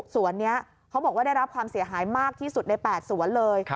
สวนนี้เขาบอกว่าได้รับความเสียหายมากที่สุดใน๘สวนเลย